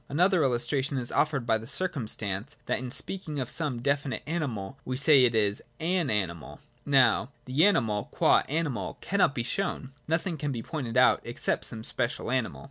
Another illustration is offered by the circumstance that in speaking of some definite 2^.] THE WORLD REASON— THOUGHT IN THINGS. 47 animal we say it is (an) animal. Now, the animal, qua animal, cannot be shown ; nothing can be pointed out excepting some special animal.